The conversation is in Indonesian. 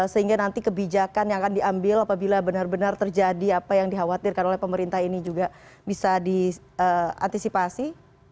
sehingga nanti kebijakan yang akan diambil apabila benar benar terjadi apa yang dikhawatirkan oleh pemerintah ini juga bisa diantisipasi